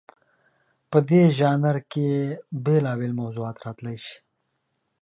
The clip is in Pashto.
په دې ژانر کې بېلابېل موضوعات راتلی شي.